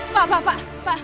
pak pak pak